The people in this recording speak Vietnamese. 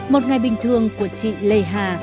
một ngày bình thường của chị lê hà